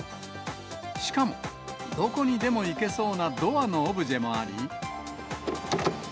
しかも、どこにでも行けそうなドアのオブジェもあり。